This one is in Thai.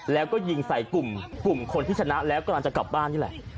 แล้วก็ยิงใส่กลุ่มคนที่ชนะแล้วกำลังจะกลับบ้านนี่แหละ